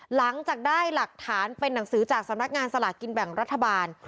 หลังจากได้หลักฐานเป็นหนังสือจากสำนักงานสลากกินแบ่งรัฐบาล